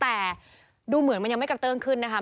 แต่ดูเหมือนมันยังไม่กระเติ้งขึ้นนะคะ